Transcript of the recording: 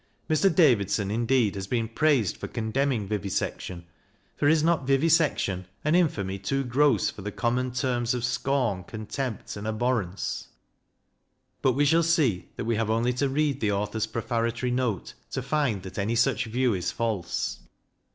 Mr. Davidson indeed has been praised for condemning vivisection, for is not vivisection " an infamy too gross for the common terms of scorn, contempt, and abhorrence? " but we shall see that we have only to read the author's pre fatory note to find that any such view is false.